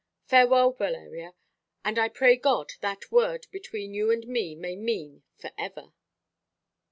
Farewell, Valeria, and I pray God that word between you and me may mean for ever."